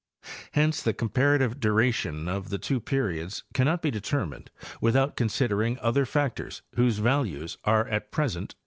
Hence the comparative duration of the two periods cannot be determined without considering other factors whose values are at present 13—Nart.